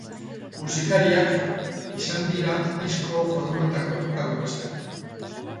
Musikariak izan dira disko forumetako protagonistak.